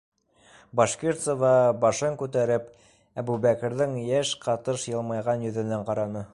- Башкирцева, башын күтәреп, Әбүбәкерҙең йәш ҡатыш йылмайған йөҙөнә ҡараны.